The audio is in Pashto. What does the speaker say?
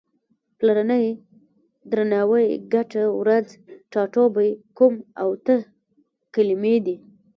پلرنی، درناوی، ګټه، ورځ، ټاټوبی، کوم او ته کلمې دي.